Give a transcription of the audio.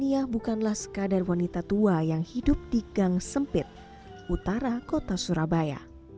nia bukanlah sekadar wanita tua yang hidup di gang sempit utara kota surabaya